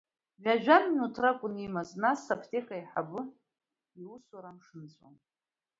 Ҩажәа минуҭ ракәын имаз, нас аԥҭека аиҳабы иусурамш нҵәон.